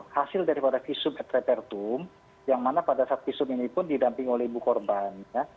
hasil daripada visum et repertum yang mana pada saat visum ini pun didamping oleh ibu korban